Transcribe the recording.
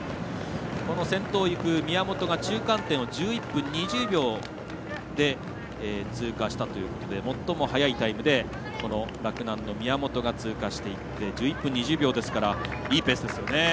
先頭を行く宮本が中間点を１１分２０秒で通過したということで最も早いタイムで洛南の宮本が通過していって１１分２０秒ですからいいペースですね。